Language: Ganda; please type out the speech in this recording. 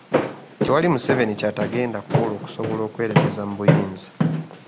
Tewali Museveni kyatagenda kukola okusobola okweremeza mu buyinza.